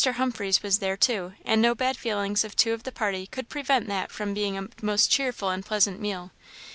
Humphreys was there, too; and no bad feelings of two of the party could prevent that from being a most cheerful and pleasant meal.